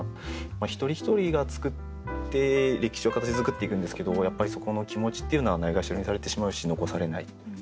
一人一人が作って歴史を形づくっていくんですけどやっぱりそこの気持ちっていうのはないがしろにされてしまうし残されない。